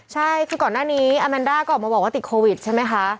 ใช่คือก่อนหน้านี้อาแมนด้าก็ออกมาบอกว่าติดโควิดใช่ไหมคะ